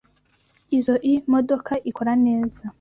Izoi modoka ikora neza.